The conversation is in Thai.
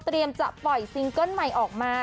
จะปล่อยซิงเกิ้ลใหม่ออกมา